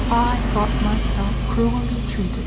I thought myself cruelly treated.